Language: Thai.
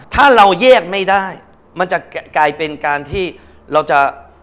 ถ้าเราแยกไม่ได้มันจะกลายเป็นการที่เราจะ